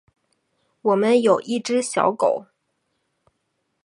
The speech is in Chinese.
我们有一只小狗